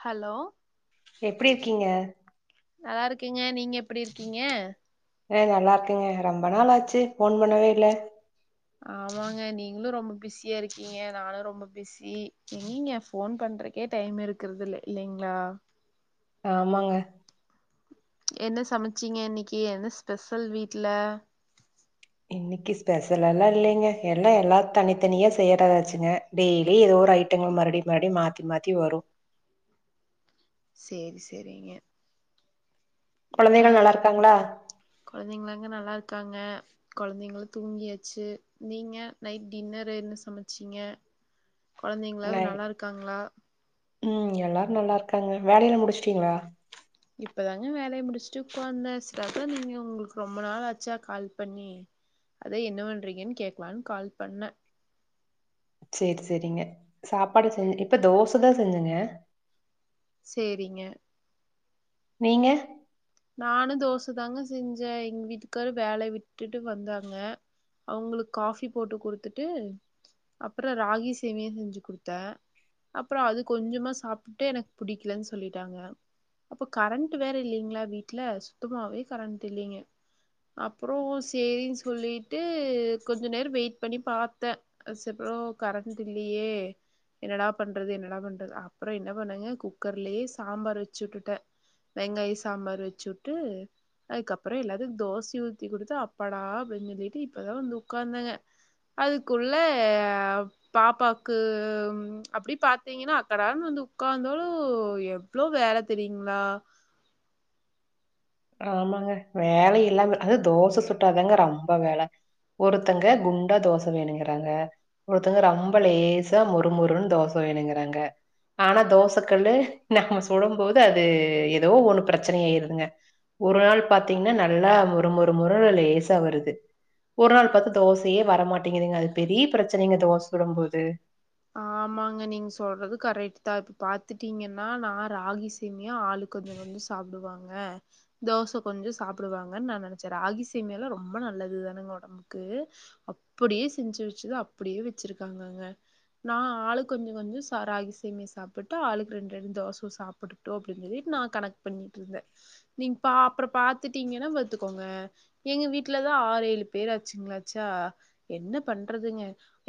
hello எப்டி இருக்கீங்க நல்லா இருக்கேங்க நீங்க எப்டி இருக்கீங்க ஆ நல்லா இருக்கேங்க ரொம்ப நாள் ஆச்சு ஃபோன் பண்ணவே இல்ல ஆமாங்க நீங்களு ரொம்ப பிசியா இருக்கீங்க நானு ரொம்ப பிசி எங்கங்க ஃபோன் பண்ணுறதுக்கே டைம் இருக்கிறதில்ல இல்லிங்ளா ஆமாங்க என்ன சமச்சீங்க இன்னிக்கி என்ன ஸ்பெஷல் வீட்ல இன்னிக்கி ஸ்பெஷல் எல்லா இல்லிங்க எல்லா எல்லா தனித்தனியா செய்யறதாச்சுங்க டெய்லி ஏதோ ஒரு ஐட்டங்கள் மறுபடி மறுபடி மாத்தி மாத்தி வரு சேரி சேரிங்க ஆ கொழந்தைகளெல்லா நல்லா இருக்காங்ளா கொழந்தைங்களாங்க நல்லா இருக்காங்க கொழந்தைங்களு தூங்கியாச்சு நீங்க நைட் டின்னரு என்ன சமச்சீங்க நை கொழந்தைங்களாவுது நல்லா இருக்காங்ளா ம் எல்லாரு நல்லா இருக்காங்க வேலையெல்லா முடிச்சுட்டீங்ளா இப்பதாங்க வேலையை முடிச்சுட்டு உட்காந்த செரி அதா நீங்க உங்களுக்கு ரொம்ப நாள் ஆச்சா கால் பண்ணி அத என்ன பண்ணுறீங்கன்னு கேக்லான்னு கால் பண்ண சேரி சேரிங்க சாப்பாடு செஞ்சு இப்ப தோசதா செஞ்சேங்க சேரிங்க நீங்க நானு தோச தாங்க செஞ்சே எங்க வீட்டுக்காரு வேலைய விட்டுட்டு வந்தாங்க அவங்களுக்கு காஃபி போட்டு குடுத்துட்டு அப்றோ ராகி சேமியா செஞ்சு குடுத்தே அப்றோ அது கொஞ்சமா சாப்ட்டு எனக்கு புடிக்கலன்னு சொல்லிட்டாங்க அப்ப கரண்ட் வேற இல்லிங்ளா வீட்ல சுத்தமாவே கரண்ட் இல்லிங்க அப்பறோ சேரின்னு சொல்லீட்டு கொஞ்ச நேரோ வெயிட் பண்ணி பாத்த [unintelligible] கரண்ட் இல்லியே என்னடா பண்றது என்னடா பண்றது அப்றோ என்ன பண்ணுங்க குக்கர்லயே சாம்பார் வெச்சுவுட்டுட்ட வெங்காய சாம்பார் வெச்சூட்டு அதுக்கப்பறோ எல்லாத்துக்கு தோசயூத்தி குடுத்து அப்பாடா அப்டின்னு சொல்லிட்டு இப்பதா வந்து உக்காந்தங்க அதுக்குள்ள பாப்பாக்கு அப்டி பாத்தீங்கன்னா அக்கடான்னு வந்து உக்காந்தாலு எவ்ளோ வேல தெரியுங்களா ஆமாங்க வேல இல்லாம அது தோச சுட்டாதாங்க ரொம்ப வேல ஒருத்தங்க குண்டா தோச வேணுங்கறாங்க ஒருத்தங்க ரொம்ப லேசா மொறு மொறுன் தோச வேணுங்கறாங்க ஆனா தோசக் கல்லு நம்ம சுடம் போது அது எதோ ஒண்ணு பிரச்சனயாயிருதுங்க ஒரு நாள் பாத்திங்கன்னா நல்லா மொறு மொறு மொறுன்னு லேசா வருது ஒரு நாள் பாத்து தோசையே வரமாட்டீங்குதுங்க அது பெரிய பிரச்சனைங்க தோச சுடம் போது ஆமாங்க நீங்க சொல்றது கரெக்ட்டு தா இப்ப பாத்துட்டீங்கன்னா நா ராகி சே சேமியா ஆளுக்கு கொஞ்சோ கொஞ்சோ சாப்புடுவாங் க தோச கொஞ்சோ சாப்புடுவாங்கன்னு நா நெனச்ச ராகி சேமியாலா ரொம்ப நல்லதுதானுங்க ஒடம்பு க்கு அப்படியே செஞ்சு வெச்சது அப்படியே வெச்சிருக்காங்கங்க நா ஆளுக்கு கொஞ்சோ கொஞ்சோ சா ராகி சேமியா சாப்புட்டு ஆளுக்கு ரெண்டு ரெண்டு தோச சாப்படட்டு அப்டின்னு சொல்லீட்டு நா கணக் பண்ணீட்டுருந்த நீங்க பா அப்பறோ பாத்துட்டீங்கன்னா பாத்துக்கோங்க எங்க வீட்லதா ஆறேழு பேர் ஆச்சுங்களாச்சா என்ன பண்றதுங்க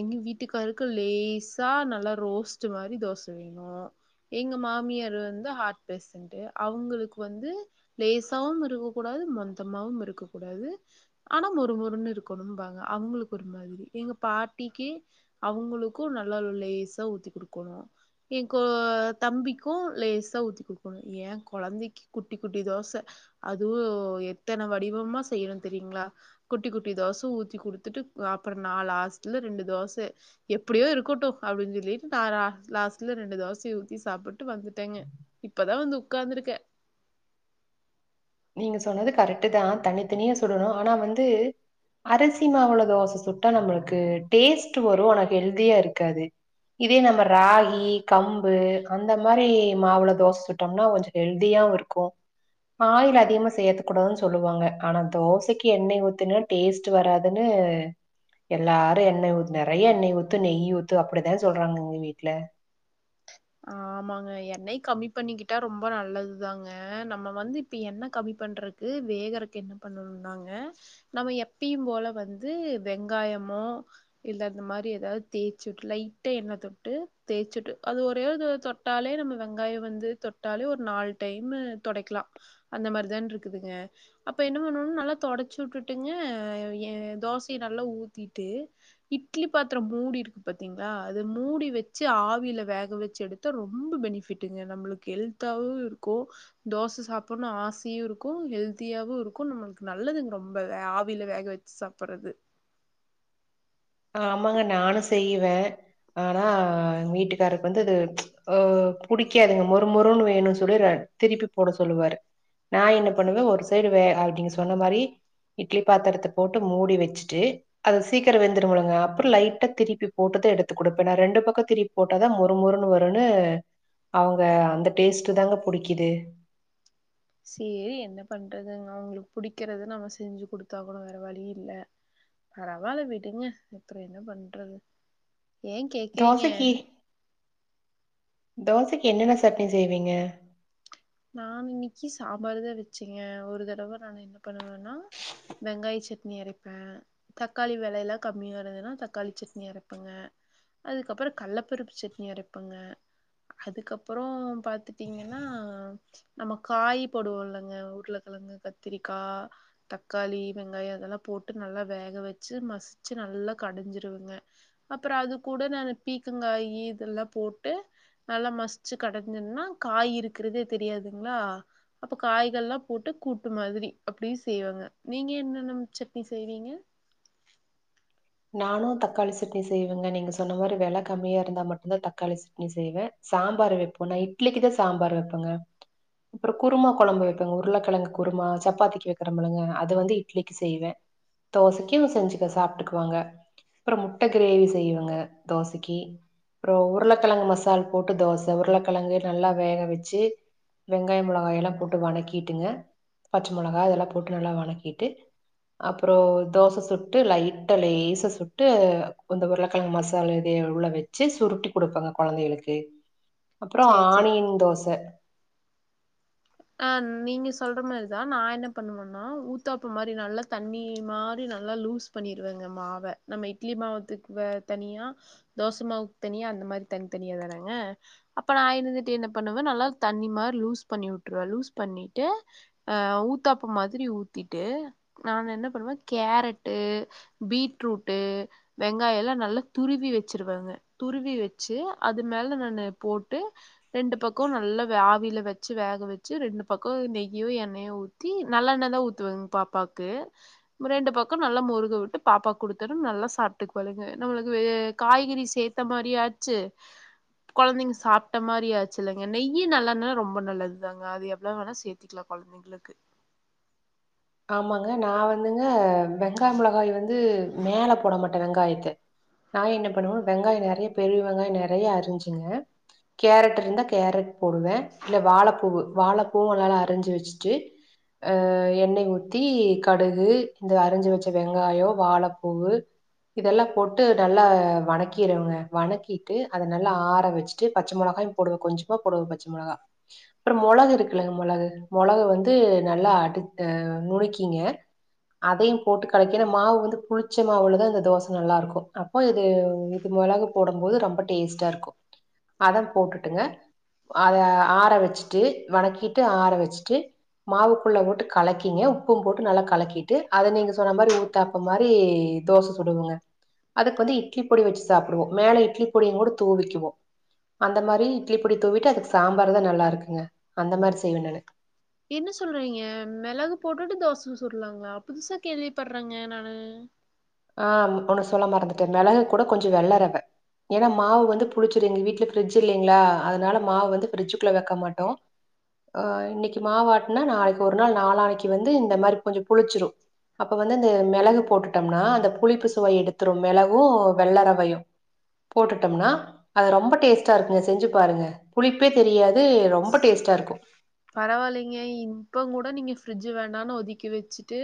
எங்க வீட்டுக்காரருக்கு லே சா நல்லா ரோஸ்டு மாறி தோச வேணு எங்க மாமியாரு வந்து ஹார்ட் பேச ண்ட்டு அவுங்களுக்கு வந்து லேசாவும் இருக்கக் கூடாது மொந்தமாவும் இருக்கக் கூடாது அனா மொறுமொறுன்னு இருக்கணும் பாங்க அவுங்களுக்கு ஒரு மாதிரி எங்க பாட்டிக்கு அவுங்களுக் கு நல்லா லேசா ஊத்தி குடுக்கோணு எ கோ தம்பிக்கு லேசா ஊத்தி குடுக்கோன்னு ஏ கொழந்தைக்கு குட்டி குட்டி தோச அதுவு எத்தன வடிவமா செய்யணு தெரியுங்களா குட்டி குட்டி தோச ஊத்தி குடுத்துட்டு அப்பறோ நா லாஸ்ட்ல ரெண்டு தோச எப் படியே இருக்கட்டு அப்டின் சொல்லீட்டு நா லாஸ் லாஸ்ட்ல ரெண்டு தோசைய ஊத்தி சாப்புட் ட்டு வந்துட்டேங்க இப்பதா வந்து உக்காந்துருக்க நீங்க சொன்னது கரெக்ட்டு தா தனி தனியா சுடனு அனா வந்து அரிசி மாவுல தோச சுட்டா நம்மளுக்கு டேஸ்ட் வரு அனா ஹெல்தியா இருக்காது இதே நம்ம ராகி கம்பு அந்த மாறி மாவுல தோச சுட்டம்னா கொஞ்சோ ஹெல்தியாவு இரு கோ ஆயில் அ அதிகமா சேத்தக் கூடாதுன்னு சொல்லுவாங்க அனா தோசைக்கு எண்ணெய் ஊத்துனா டேஸ்ட் வராதுன்னு எல்லாரு எண்ண ஊத் நெறைய எண்ணெய் ஊத்து நெய் ஊத்து அப்படித்தா சொல்றாங்க எங்க வீட்ல ஆமாங்க எண்ணெய் கம்மி பண்ணிக்கிட்டா ரொம்ப நல்லது தாங்க நம்ம வந்து இப்ப என்ன கம்மி பண்ற க்கு வேகறுக்கு என்ன பண்ணணுன்னாங்க நம்ம எப்பையு போல வந்து வெங்காயமோ இல்ல அந்த மாறி எதாவது தேச்சூட்டு லைட்டா எண்ண தொட்டு தேச்சூட்டு அது ஒரு ஒரே ஒரு தடவ தொட்டாலே நம்ம வெங்காயோ வந்து தொட்டாலே ஒரு நாலு டைமு தொடைக்கலா அந்த மார் தான்ருக்குதுங்க அப்ப என்ன பண்ணோண்ணு நல்லா தொடச்சுட்டுட்டுங்க எ தோசைய நல்லா ஊத்தீட்டு இட்லி பாத்தரோ மூடி இருக்கு பாத்தீங்களா அது மூடி வெச்சு ஆவீல வேக வெ வெச்சு எடுத்தா ரொம்ப பெனிபிட்டுங்க நம்பளுக்கு ஹெல்த்தாவு இருக்கு தோச சாப்புன்னு ஆசையு இருக்கூ ஹெல்தியாவு இருக்கூ நம்மளுக்கு நல்லதுங்க ரொம்ப ஆவியில வேக வச் சாப்பறது ஆமாங்க நானு செய்வே ஆனா வீட்டுக்காருக்கு வந்து ஒ புடிக்காதுங்க மொறு மொறுன்னு வேணுன் சொல்லி ர திருப்பி போட சொல்லுவாரு நா என்ன பண்ணுவே ஒரு சைடு வே அப்டிங்க சொன்ன மாரி இட்லி பாத்தரத்த போட்டு மூடி வச்சிட்டு அத சீக்கிர வெந் திரும்முலங்க அ அப்புறொ லைட்டா திருப்பி போட்டுதா எடுத்துக் கொடுப்பேன் நா ரெண்டு பக்க திருப்பி போட்டாதா மொறுமொறுன் வருன்னு அவுங்க அந்த டேஸ்ட்டு தாங்க புடிக்கிது சேரி என்ன பண்றது அவுங்களுக்கு புடிக்கறத நம்ம செஞ்சு குடுத்தாகணு வேற வழியு இல்ல பரவால்ல விடுங்க அப்புறொ என்ன பண்றது ஏ கேக்குறீங்க தோசைக்கி தோசைக்கி என்னென்ன சட்னி செய்வீங்க நானு இன்னைக்கி சாம்பார்தான் வச்சேங்க ஒரு தடவ நானு என்ன பண்ணுவேன்னா வெங்காய் சட்னி அரைப்பே தக்காளி வெலையெல்லா கம்மியா இருந்துன்னா தக்காளி சட்னி அரப்பங்க அதுக்கப்பறொ கல்லப்பருப்பு சட்னி அரப்பங்க அதுக்கப்பறோ பாத்துட்டீங்கன்னா நம்ம காய் போடுவோல்லங்க உருளகெழங்கு கத்திரிக்கா தக்காளி வெங்காயொ இதெல்லா போட்டு நல்லா வேக வச்சு மசிச்சு நல்லா கடைஞ்சிருவேங்க அப்பறொ அது கூட நானு பீக்கங்காயி இதெல்லாம் போட்டு நல்லா மசிச்சு கடைஞ்சோன்னா காய் இருக்கிறதே தெரியாதுங்ளா அப்போ காய்கள்லா போட்டு கூட்டு மாதிரி அப்டியு செய்வங்க நீங்க என்னென்ன சட்னி செய்வீங்க நானு தக்காளி சட்னி செய்வேங்க நீங்க சொன்ன மாரி வெல கம்மியா இருந்தா மட்டுந்தா தக்காளி சட்னி செய்வே சாம்பார் வெப்போ நா இட்லிக்கு தா சாம்பார் வெப்பேங்க அப்புறோ குருமா கொழம்பு வைப்பேங்க உருளக்கெழங்கு குருமா சப்பாத்திக்கு வைக்கிறமுளங்க அத வந்து இட்லிக்கு செய்வே தோசைக்கூ செஞ்சிக்க சாப்ட்டுக்க குவேங்க அப்பறொ முட்ட கிரேவி செய்யவங்க தோசைக்கி அப்புறோ உருளக்கெழங்கு மசால் போட்டு தோச உருளக்கெழங்கு நல்லா வேக வெச்சி வெங்காயொ மொளகாயெல்லா போட்டு வணக்கிட்டுங்க பச்ச மொளகா அதெல்லா போட்டு நல்லா வணக்கிட்டு அப்புறோ தோச சுட்டு லைட் ட்டா லேசா சுட்டு அந்த உருளக்கெழங்கு மசாலா இதைய உள்ள வச்சு சுருட்டி குடுப்பேங்க கொழந்தைகளுக்கு அப்புறொ சேரி சேரி ஆணியின் தோச ஆ நீங்க சொல்ற மாரிதா நா என்ன பண்ணுவன்னா ஊத்தாப்ப மாரி நல்லா தண்ணி மாரி நல்லா லூஸ் பண்ணிருவங்க மாவ நம்ம இட்லி மாவத்துக்கு வ தனியா தோசமாவுக்கு தனியா அந்த மாரி தனித்தனியா தானாங்க அப்ப நா இருந்துட்டு என்ன பண்ணுவே நல்லா தண்ணி மாரி லூஸ் பண்ணி விட்டுருவே லூஸ் பண்ணிட்டு அ ஊத்தாப்ப மாதிரி ஊத்திட்டு நானு என்ன பண்ணுவே கேரட்டு பீட்ரூட்டு் வெங்காயொ எல்லா நல்லா துருவி வச்சிருவேங்க துருவி வெச்சு அது மேல நானு போட்டு ரெண்டு பக்கொ நல்லா வே ஆவியில வச்சு வேக வெச் ச்சு ரெண்டு பக்கொ நெய்யோ எண்ணெயோ ஊத்தி நல்லெண்ண தா ஊத்வேங்க பாப்பாக்கூ ரெண்டு பக்கொ நல்லா முருக விட்டு பாப்பாக் குடுத்தரு நல்லா சாப்ட்டுக்குவாழுங்க நம்மளுக்கு காய்கறி சேத் த மாரியு ஆச்சு கொழந்தைங்க சாப்ட்ட மாரி ஆச்சுல்லங்க நெய்யி நல்லெண்ண ரொம்ப நல்லது இதாங்க அது எவ்ளோ வேணா சேர்த்திக்கலா கொழந்தைங்களுக்கு ஆமாங்க நா வந்துங்க வெங்காய மொளகாய வந்து மேல போட மாட்டே வெங்காயத்த நா என்ன பண்ணுவே வெங்காய நெறைய பெரிய வெங்காய நெறைய அரிஞ்சுக கேரட் இருந்தா கேரட் போடுவே இல்ல வாழைப்பூவு வாழைப்பூவு நல்லா அரிஞ்சு வெச்சுட்டு ஆ எண்ணெ ஊத்தி கடுகு இந்த அரிஞ்சு வச்ச வெங்காயோ வாழைப்பூவு இதெல்லா போட்டு நல்லா வணக்கிருவங்க வணக்கிட்டு அத நல்லா ஆற வச்சுட்டு பச்ச மொளகாய் போடுவே கொஞ்சமா போடுவே பச்ச மொளகா அப்பறோ மொளகு இருக்குல்லங்க மொளகு மொளக வந்து நல்லா அடு அஹ் நுணுக்கிங்க அதயு போட்டு கலக்கி ஏனா மாவு வந்து புளிச்ச மாவுலதா இந்த தோச நல்லாருக்கு அப்போ இது இது மொளகு போடு போது ரொம்ப டேஸ்ட்டாருக்கு அத போட்டுட்டுங்க அத ஆற வெச்சுட்டு வணக்கிட்டு ஆற வெச்சிட்டு மாவுக்குள்ள போட்டு கலக் கிங்க உப்பும் போட்டு நல்லா கலக்கிட்டு அத நீங்க சொன்ன மாரி ஊத்தாப்பம் மாரி தோச சுடுவங்க அதுக்கு வந்து இட்லி பொடி வச்சு சாப்டுவோ மேல இட்லி பொடியு கூட தூவிக்குவோ அந்த மாரி இட்லி பொடி தூவிட்டு அதுக்கு சாம்பார் தா நல்லா இருக்குங்க அந்த மாரி செய்வே நானு என்ன சொல்றீங்க மெளகு போட்டுட்டு தோசை சுடலாங்களா புதுசா கேள்விப்படுறேங்க நானு ஆஹ் ஒண்ணு சொல்லமறந்துட்டே மெளகு கூட கொஞ்ச வெள்ளரவ ஏனா மாவு வந்து புளிச்சுரு எங்க வீட்ல ஃப்ரிட்ஜ் இல்லைங்களா அதனால மாவு வந்து ஃப்ரிட்ஜுக்குள்ள வெக்க மாட்டோ ஆ இன்னிக்கி மாவாட்டுன்னா நாளைக்கு ஒரு நாள் நாளானைக்கு வந்து இந்த மாரி கொஞ்சோ புளிச்சிரு அப்ப வந்து அந்த மெளகு போட்டுட்டோம்னான் இந்த புளிப்பு சுவை எடுத்துரு மெளகு வெள்ளரவையு போட்டுட்டோம்னா அது ரொம்ப டேஸ்ட்டா இருக்குங்க செஞ்சு பாருங்க புளிப்பே தெரியாது ரொம்ப டேஸ்ட்டா ருக்கு பரவாயில்லைங்க இப்பங் கூட நீங்க ஃப்ரிட்ஜு வேண்டான்னு ஒதுக்கி வெச்சுட்டு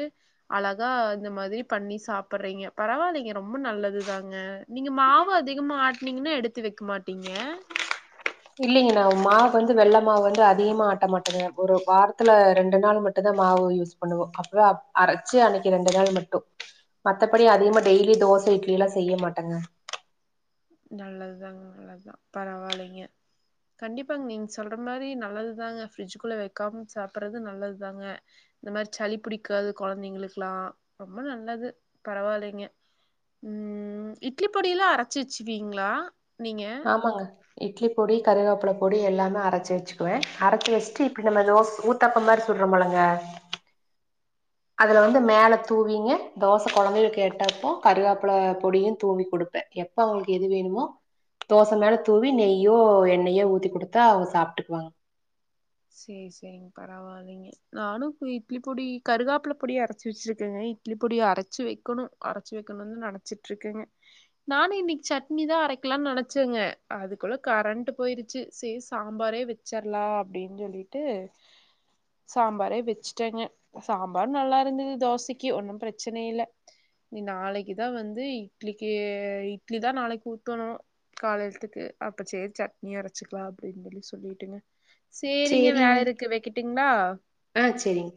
அழகா இந்த மாதிரி பண்ணி சாப்டுறீங்க பரவால்லீங்க ரொம்ப நல்லதுதாங்க நீங்க மாவு அதிகமா ஆட்னிங்கன்னா எடுத்து வெக்க மாட்டீங்க இல்லைங்க நா மாவு வந்து வெள்ள மாவு வந்து அதிகமா ஆட்ட மாட்டேங்க ஒரு வாரத்துல ரெண்டு நாள் மட்டுதா மாவு யூஸ் பண்ணுவோ அப்பவே அரைச்சு அன்னைக்கி ரெண்டு நாள் மட்டு மத்தபடி அதிகமா டெய்லி தோச இட்லியெல்லா செய்ய மாட்டேங்க நல்லதுதாங்க நல்லதுதா பரவால்லீங்க கண்டிப்பாங்க நீங்க சொல்ற மாரி நல்லதுதாங்க ஃபிரிட்ஜுக்குள்ள வெக்காம சாப்பிறது நல்லதுதாங்க இந்த மாரி சளி பிடிக்காது கொழந்தைங்களுக்கெல்லா ரொம்ப நல்லது பரவால்லீங்க ம் இட்லி பொடியெல்லா அரச்சு வச்சப்பீங்களா நீங்க ஆமாங்க இட்லி பொடி கருகப்பில பொடி எல்லாமே அரச்சி வச்சுக்குவே அரைச்சி வச்சிட்டு இப்டி நம்ம தோச ஊத் தாப்போ மாரி சுடுறே போலங்க அதுல வந்து நீங்க மேல தூவிங்க தோச கொழந்தைகள் கேட்டப்போ கருகப்பில பொடியு தூவி குடுப்பே எப்ப அவுங்களுக்கு எது வேணுமோ தோச மேல தூவி நெய்யோ எண்ணெயோ ஊத்தி குடுத்தா அவுங்க சாப்டுக்குவாங்க சேரி சேரிங் பரவால்ல நானு இட்லி பொடி கருகப்பில பொடிய அரச்சு வச்சிருக்கேங்க இட்லி பொடிய அரச்சு வெக்கணு அரச்சு வெக்கணுனு நெனச்சிட்டு இருக்கேங்க நானு இன்னிக்கி சட்னிதா அரைக்கலானு நெனைச்சேங்க அதுக்குள்ள கரண்ட்டு போயிருச்சு செரி சாம்பாரே வச் ச்சர்லா அப்டின் சொல்லிட்டு சாம்பாரே வச்சுட்டேங்க சாம்பார் நல்லா இருந்தது தோசைக்கு ஒண்ணும் பிரச்சன இல்ல இனி நாளைக்கு தா வந்து இட்லிக்கு இட்லி தா நாளைக்கு ஊத்தணு காலெலத்துக்கு அப்ப சேரி சட்னியே அரைச்சிக்கலா அப்படின் [unintelligible] சொல்லிட்டங்க சேரிங்க வேலருக்கு வெக்கட்டுங்ளா ஆஹ் சேரிங்